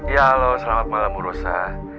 ya halo selamat malam urosa